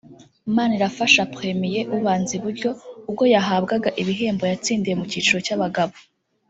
Manirafasha Premien (ubanza iburyo) ubwo yahabwaga ibihembo yatsindiye mu cyicro cy'abagabo